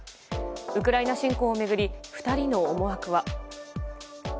ウクライナ侵攻を巡り２人の思惑は。